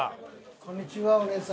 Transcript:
こんにちはお姉様。